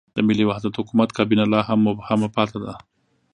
د ملي وحدت حکومت کابینه لا هم مبهمه پاتې ده.